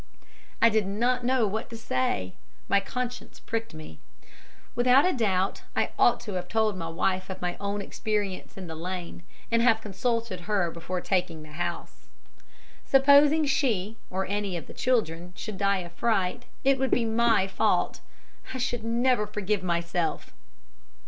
I did not know what to say. My conscience pricked me. Without a doubt I ought to have told my wife of my own experience in the lane, and have consulted her before taking the house. Supposing she, or any of the children, should die of fright, it would be my fault. I should never forgive myself.